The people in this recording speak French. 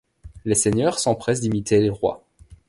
Les seigneurs s'empressent d'imiter les rois.